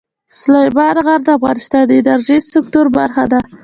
سلیمان غر د افغانستان د انرژۍ سکتور برخه ده.